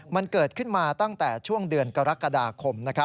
มันเกิดขึ้นมาตั้งแต่ช่วงเดือนกรกฎาคม